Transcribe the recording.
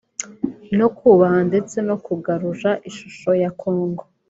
no kubaha ndetse no kugarura ishusho ya Congo